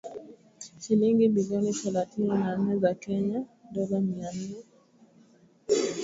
Shilingi bilioni thelathini na nne za Kenya dola mia mbili tisini na nane.